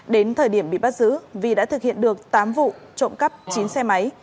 đến thời điểm bị bắt giữ vì đã thực hiện được tám vụ trộm cắp chín xe máy